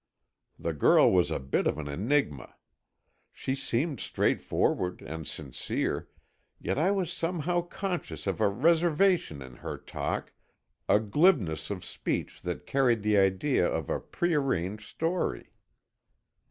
The girl was a bit of an enigma. She seemed straightforward and sincere, yet I was somehow conscious of a reservation in her talk, a glibness of speech that carried the idea of a prearranged story.